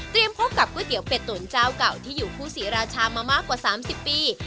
พบกับก๋วยเตี๋ยวเป็ดตุ๋นเจ้าเก่าที่อยู่คู่ศรีราชามามากกว่า๓๐ปี